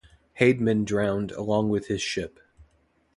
Heydtmann drowned along with his ship.